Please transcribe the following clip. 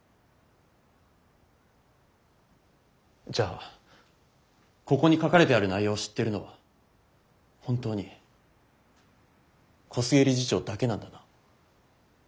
じゃあここに書かれてある内容を知ってるのは本当に小菅理事長だけなんだな？